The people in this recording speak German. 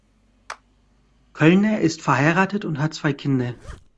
Köllner ist verheiratet und hat zwei Kinder.